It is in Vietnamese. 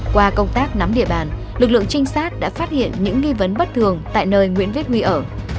qua công tác nắm địa bàn lực lượng trinh sát đã phát hiện những nghi vấn bất thường tại nơi nguyễn viết huy ở